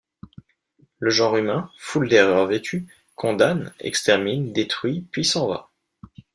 Le genre humain, foule d’erreur vêtue, Condamne, extermine, détruit, Puis s’en va.